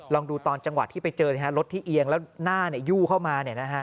ลองดูตอนจังหวะที่ไปเจอรถที่เอียงแล้วหน้ายู่เข้ามา